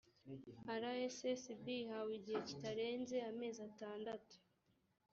rssb ihawe igihe kitarenze amezi atandatu